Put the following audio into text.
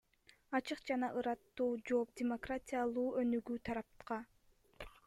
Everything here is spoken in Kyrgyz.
Ачык жана ыраттуу жооп – демократиялуу өнүгүү тарапка.